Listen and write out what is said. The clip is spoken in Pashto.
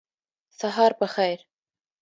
سهار په خیر